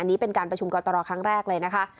อันนี้เป็นการประชุมกรตรครั้งแรกเลยนะคะ